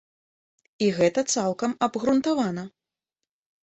І гэта цалкам абгрунтавана.